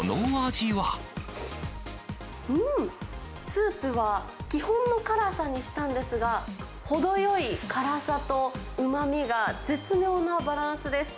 スープは基本の辛さにしたんですが、程よい辛さとうまみが絶妙なバランスです。